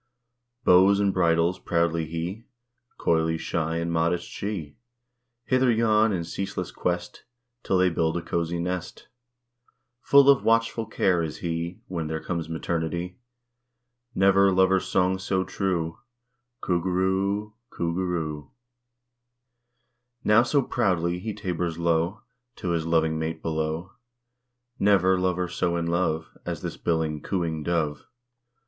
_" Bows and bridles proudly he, Coyly shy and modest she; Hither, yon, in ceaseless quest, 'Till they build a cozy nest; Full of watchful care is he, When there comes maternity; Never lover's song so true "Coo goo roo o o, Coo goo roo o o." Now so proud he tabers low, To his loving mate below; Never lover so in love, As this billing, cooing dove.